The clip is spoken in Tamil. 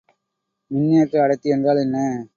மின்னேற்ற அடர்த்தி என்றால் என்ன?